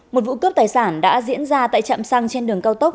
một vụ cướp tài sản đã diễn ra tại trạm xăng trên đường cao tốc